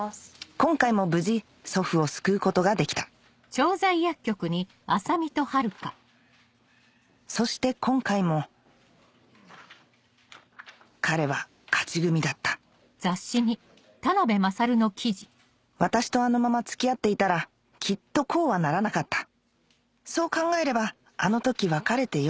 今回も無事祖父を救うことができたそして今回も彼は勝ち組だった私とあのまま付き合っていたらきっとこうはならなかったそう考えればあの時別れてよ